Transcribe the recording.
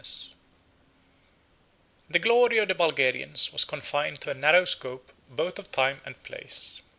] The glory of the Bulgarians 13 was confined to a narrow scope both of time and place.